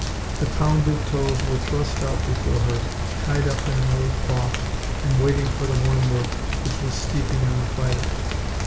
The pounded toes were thrust out before her, tied up in an old cloth, and waiting for the wormwood which was steeping on the fire.